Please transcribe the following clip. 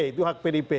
itu hak pdip